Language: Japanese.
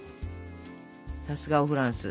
さすがおフランス。